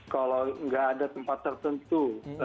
kalau nggak ada tempat tertentu